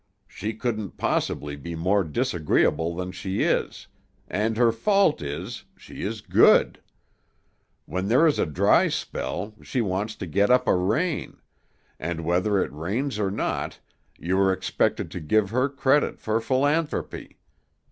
She couldn't possibly be more disagreeable than she is, and her fault is, she is Good. When there is a dry spell, she wants to get up a rain, and whether it rains or not, you are expected to give her credit for philanthropy.